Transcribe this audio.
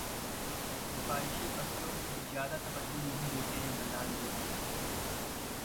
सिफारिशी पत्रों को ज्यादा तवज्जो नहीं देते हैं प्रधानमंत्री